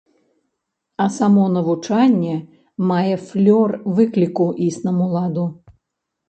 А само навучанне мае флёр выкліку існаму ладу.